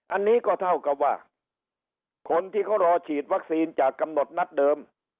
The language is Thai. อันนี้ก็เท่ากับว่าคนที่เขารอฉีดวัคซีนจากกำหนดนัดเดิม